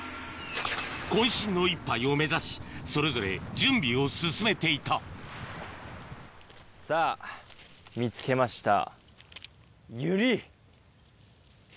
渾身の一杯を目指しそれぞれ準備を進めていたさぁ見つけました。